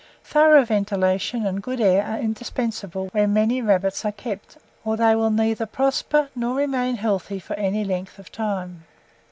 Thorough ventilation and good air are indispensable where many rabbits are kept, or they will neither prosper nor remain healthy for any length of time.